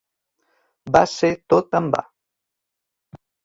Va ser tot en va.